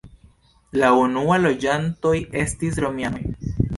La unua loĝantoj estis romianoj.